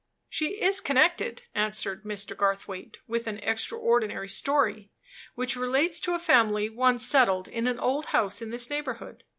"She is connected," answered Mr. Garthwaite, "with an extraordinary story, which relates to a family once settled in an old house in this neighborhood.